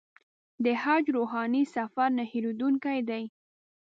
د حج روحاني سفر نه هېرېدونکی دی.